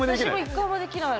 １回もできない。